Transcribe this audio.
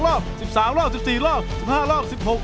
๑๑รอบ๑๒รอบ๑๓รอบ๑๔รอบ๑๕รอบ๑๖รอบ๑๗รอบ